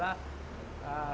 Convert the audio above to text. karena yang saya tahu adalah